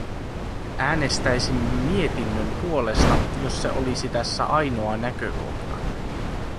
Äänestäisimme mietinnön puolesta, jos se olisi tässä ainoa näkökohta.